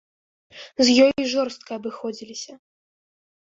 З ёй жорстка абыходзіліся.